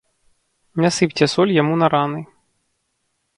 Не сыпце соль яму на раны.